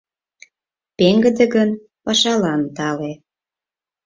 Пеҥгыде гын, пашалан тале...